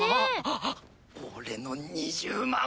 俺の２０万。